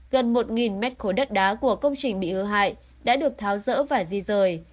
gần một mét khối đất đá của công trình bị hư hại đã được tháo rỡ và di rời